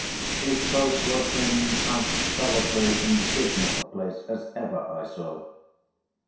His post was in as solitary and dismal a place as ever I saw.